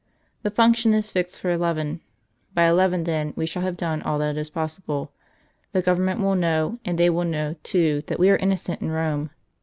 The function is fixed for eleven. By eleven, then, we shall have done all that is possible. The Government will know, and they will know, too, that we are innocent in Rome.